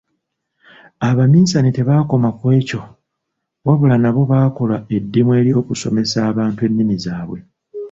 Abaminsani tebaakoma ku ekyo wabula nabo baakola eddimu ly’okusomesa abantu ennimi zaabwe.